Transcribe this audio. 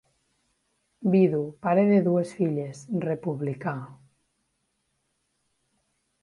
Vidu, pare de dues filles, republicà...